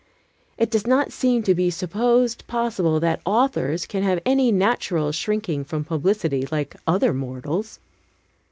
It does not seem to be supposed possible that authors can have any natural shrinking from publicity, like other mortals.